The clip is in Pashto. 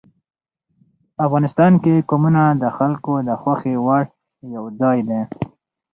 افغانستان کې قومونه د خلکو د خوښې وړ یو ځای دی.